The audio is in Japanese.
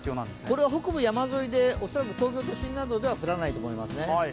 これは北部山沿いで恐らく東京都心などでは降らないと思いますね。